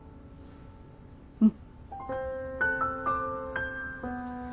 うん。